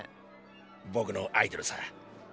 ぼくのアイドルさ。